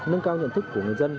nâng cao nhận thức của người dân